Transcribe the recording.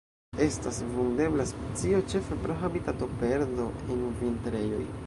Estas vundebla specio ĉefe pro habitatoperdo en vintrejoj.